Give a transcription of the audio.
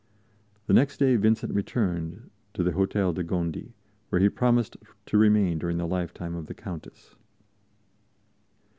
The next day Vincent returned to the Hôtel de Gondi, where he promised to remain during the lifetime of the Countess.